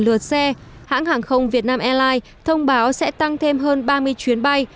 lượt xe hãng hàng không việt nam airlines thông báo sẽ tăng thêm hơn ba mươi chuyến bay